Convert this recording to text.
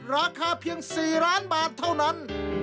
ราคาเพียง๔ล้านบาทเท่านั้น